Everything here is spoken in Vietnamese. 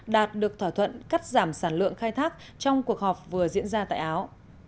đạt được thỏa thuận cắt giảm sản lượng khai thác trong cuộc họp vừa diễn ra tại áo